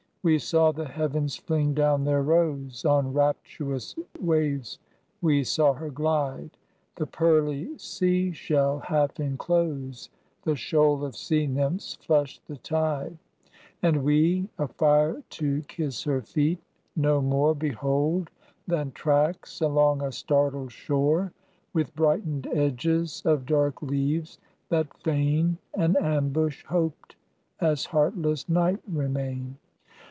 We saw the heavens fling down their rose; On rapturous waves we saw her glide; The pearly sea shell half enclose; The shoal of sea nymphs flush the tide; And we, afire to kiss her feet, no more Behold than tracks along a startled shore, With brightened edges of dark leaves that feign An ambush hoped, as heartless night remain.